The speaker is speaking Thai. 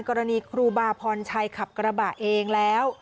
ครูบาพรชัยขับกระบะเองแล้ว